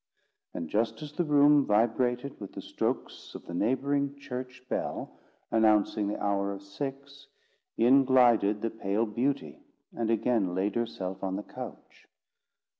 And just as the room vibrated with the strokes of the neighbouring church bell, announcing the hour of six, in glided the pale beauty, and again laid herself on the couch.